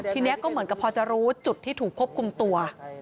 ทีนี้ก็เหมือนกับพอจะรู้จุดที่ถูกควบคุมตัว